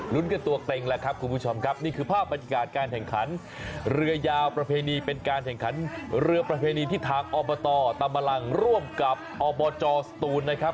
กันตัวเกร็งแล้วครับคุณผู้ชมครับนี่คือภาพบรรยากาศการแข่งขันเรือยาวประเพณีเป็นการแข่งขันเรือประเพณีที่ทางอบตตามกำลังร่วมกับอบจสตูนนะครับ